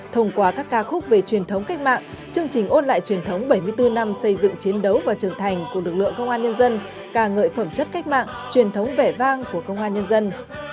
thông qua các ca khúc về truyền thống cách mạng chương trình ôn lại truyền thống bảy mươi bốn năm xây dựng chiến đấu và trưởng thành của lực lượng công an nhân dân ca ngợi phẩm chất cách mạng truyền thống vẻ vang của công an nhân dân